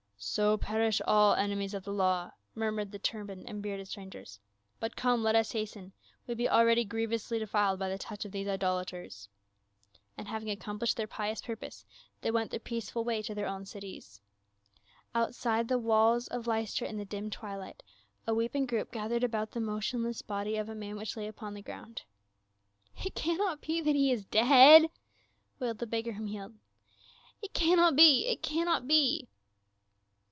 "So perish all enemies of the law !" murmured the turbaned and bearded strangers. " But come, let us hasten, we be already grievously defiled by the touch of these idolaters." And having accomplished their 300 PA UL. pious purpose, they went their peaceful way to their own cities. Outside the walls of Lystra in the dim twilight, a weeping group gathered about the motionless body of a man which lay upon the ground. " It cannot be that he is dead !" wailed the beggar whom he had healed. " It cannot — cannot be